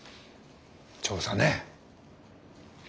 調査ねぇ。